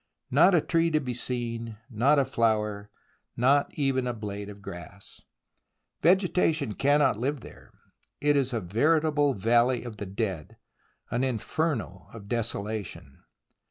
Not a tree to be seen, not a flower, not even a blade of grass. Vegetation cannot live there. It is a veritable valley of the dead, an inferno of desolation.